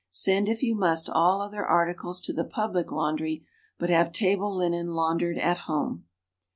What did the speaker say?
Send if you must all other articles to the public laundry, but have table linen laun dered at home.